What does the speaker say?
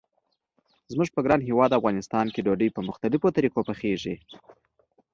زموږ په ګران هیواد افغانستان کې ډوډۍ په مختلفو طریقو پخیږي.